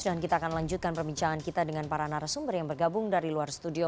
dan kita akan lanjutkan perbincangan kita dengan para narasumber yang bergabung dari luar studio